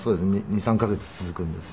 ２３カ月続くんですよ。